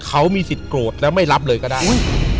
เขามีสิทธิโกรธแล้วไม่รับเลยก็ได้